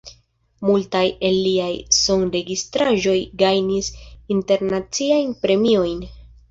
Multaj el liaj sonregistraĵoj gajnis internaciajn premiojn.